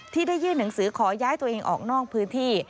ที่ได้ยื่นหนังสือขอย้ายตัวเองออกนอกพื้นที่